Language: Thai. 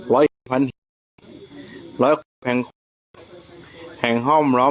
ร้อยร้อยแห่งห้องล้อม